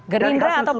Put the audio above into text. gerindra atau pkb